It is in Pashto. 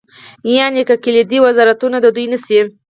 یعنې که کلیدي وزارتونه د دوی نه شي.